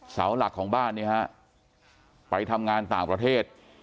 สาวหลักของบ้านนี้ครับไปทำงานต่างประเทศ